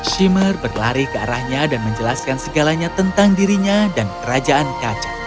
shimmer berlari ke arahnya dan menjelaskan segalanya tentang dirinya dan kerajaan kaca